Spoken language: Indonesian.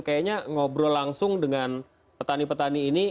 kayaknya ngobrol langsung dengan petani petani ini